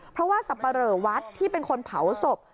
เพราะว่าสับปะเหลอวัดที่เป็นคนเผาศพ